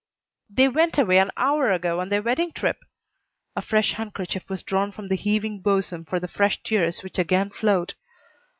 "They went away an hour ago on their wedding trip." A fresh handkerchief was drawn from the heaving bosom for the fresh tears which again flowed.